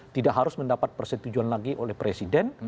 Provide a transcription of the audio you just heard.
tidak harus mendapat persetujuan lagi oleh presiden